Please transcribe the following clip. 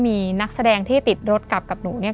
มีนักแสดงที่ติดรถกลับกับหนูเนี่ย